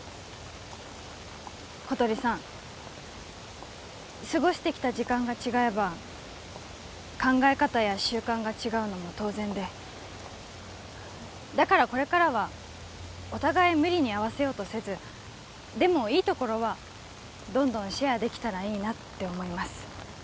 小鳥さん過ごしてきた時間が違えば考え方や習慣が違うのも当然でだからこれからはお互い無理に合わせようとせずでもいいところはどんどんシェアできたらいいなって思います